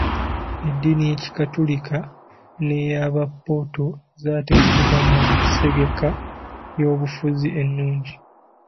Eddiini y'ekikatolika n'eyabapoto zaategekebwa mu nsengeka y'obufuzi ennungi.